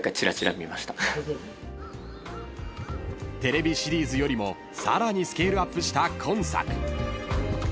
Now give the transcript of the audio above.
［テレビシリーズよりもさらにスケールアップした今作］